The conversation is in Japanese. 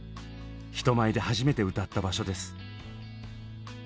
人前で初めて歌った場所です。